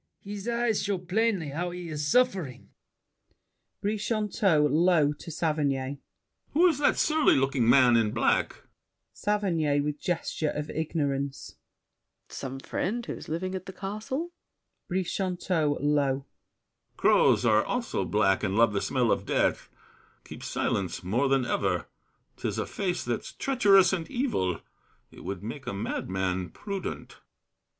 His eyes show plainly how he's suffering! BRICHANTEAU (low to Saverny). Who is that surly looking man in black? SAVERNY (with gesture of ignorance). Some friend who's living at the castle? BRICHANTEAU (low). Crows Are also black and love the smell of death. Keep silence more than ever. 'Tis a face That's treacherous and evil; it would make A madman prudent.